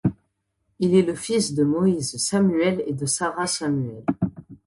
Il est le fils de Moïse Samuel et de Sara Samuel.